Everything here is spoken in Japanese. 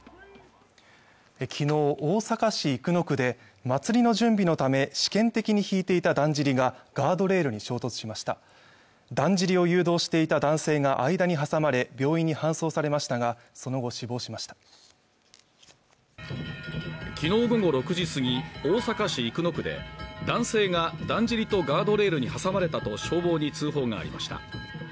昨日大阪市生野区で祭りの準備のため試験的にひいていただんじりがガードレールに衝突しましただんじりを誘導していた男性が間に挟まれ病院に搬送されましたがその後死亡しました昨日午後６時過ぎ大阪市生野区で男性がだんじりとガードレールに挟まれたと消防に通報がありました